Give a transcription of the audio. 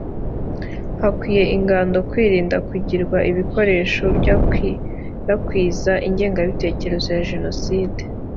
hakwiye ingando kwirinda kugirwa ibikoresho byakwirakwiza ingengabitekerezo ya jenoside